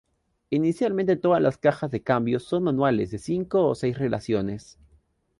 Inicialmente todas las cajas de cambio son manuales de cinco o seis relaciones.